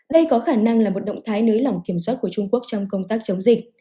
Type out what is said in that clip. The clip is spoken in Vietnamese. đây có khả năng là một động thái nới lỏng kiểm soát của trung quốc trong công tác chống dịch